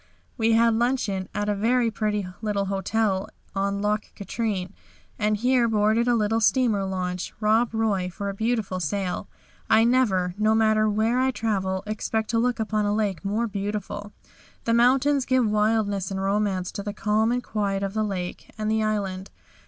We had luncheon at a very pretty little hotel on Loch Katrine, and here boarded a little steamer launch, 'Rob Roy,' for a beautiful sail. I never, no matter where I travel, expect to look upon a lake more beautiful. The mountains give wildness and romance to the calm and quiet of the lake, and the island.